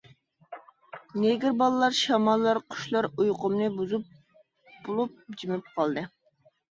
نېگىر بالىلار شاماللار قۇشلار ئۇيقۇمنى بۇزۇپ بولۇپ جىمىپ قالدى.